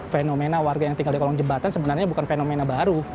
fenomena warga yang tinggal di kolong jembatan sebenarnya bukan fenomena baru